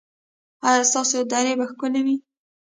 ایا ستاسو درې به ښکلې وي؟